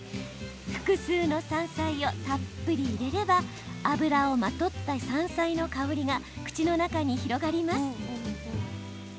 複数の山菜をたっぷり入れれば油をまとった山菜の香りが口の中に広がります。